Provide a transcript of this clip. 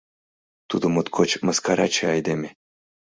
Тудо моткоч мыскараче айдеме.